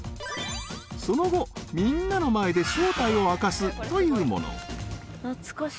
［その後みんなの前で正体を明かすというもの］